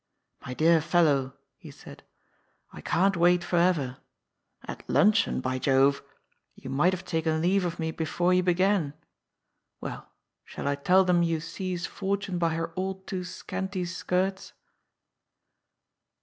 ^' My dear fellow," he said, " I can't wait for ever. At luncheon, by Jove I You might have taken leave of me before you be gan. Well, shall I tell them you seize Fortune by her all too scanty skirts?"